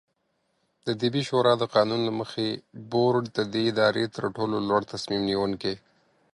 دطبي شورا د قانون له مخې، بورډ د دې ادارې ترټولو لوړتصمیم نیونکې